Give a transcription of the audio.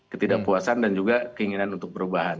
ketidakpuasan dan juga keinginan untuk perubahan